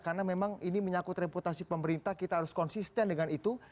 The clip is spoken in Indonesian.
karena memang ini menyakut reputasi pemerintah kita harus konsisten dengan itu